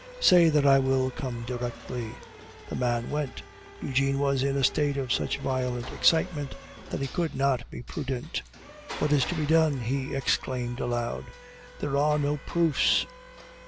"Say that I will come directly." The man went. Eugene was in a state of such violent excitement that he could not be prudent. "What is to be done?" he exclaimed aloud. "There are no proofs!"